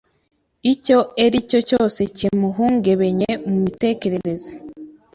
icyo ericyo cyose cyemuhungebenye mu mitekerereze,